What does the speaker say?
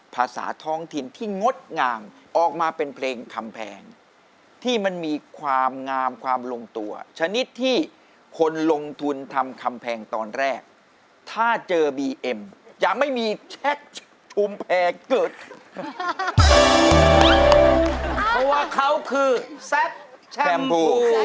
เพราะว่าเขาคือแซ็ปแชมปู